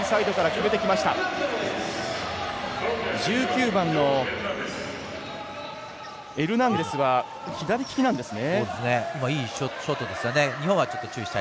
１９番のエルナンデスは左利きなんですね。